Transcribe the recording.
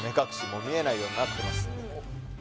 もう見えないようになってます